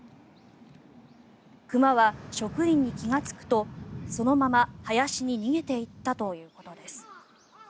熊は職員に気がつくとそのまま林に逃げていったということです。